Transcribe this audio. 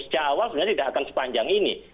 sejak awal sebenarnya tidak akan sepanjang ini